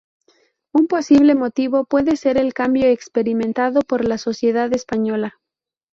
Un posible motivo puede ser el cambio experimentado por la sociedad española.